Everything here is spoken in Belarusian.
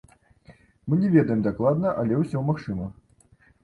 Мы не ведаем дакладна, але ўсё магчыма.